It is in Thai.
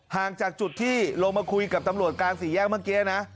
ห่างจากจุดที่ลงมาคุยกับตำรวจกลางสี่แยกเมื่อกี้นะ